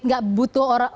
nggak butuh orang